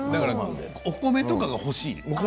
お米とかが欲しい。